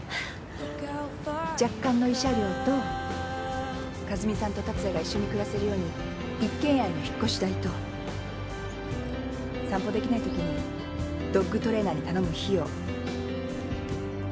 若干の慰謝料と和美さんと達也が一緒に暮らせるように一軒家への引越し代と散歩できないときにドッグトレーナーに頼む費用。